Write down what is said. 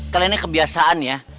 kalian ini kebiasaan ya